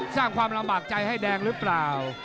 สร้างความลำบากใจให้แดงหรือเปล่า